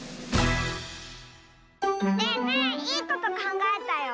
ねえねえいいことかんがえたよ。